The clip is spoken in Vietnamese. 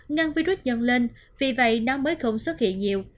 ngăn virus dần lên vì vậy nó mới không xuất hiện nhiều